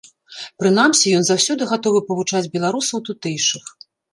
Прынамсі, ён заўсёды гатовы павучыць беларусаў тутэйшых.